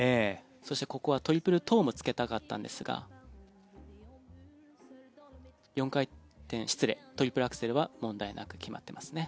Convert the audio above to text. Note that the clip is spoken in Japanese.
そしてここはトリプルトウもつけたかったんですがトリプルアクセルは問題なく決まっていますね。